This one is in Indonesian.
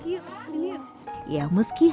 ya meski hanya berpengalaman